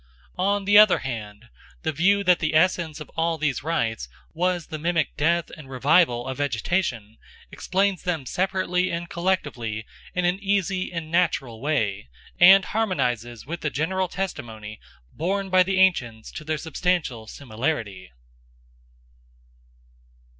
On the other hand, the view that the essence of all these rites was the mimic death and revival of vegetation, explains them separately and collectively in an easy and natural way, and harmonises with the general testimony borne by the ancients to their substantial similarity.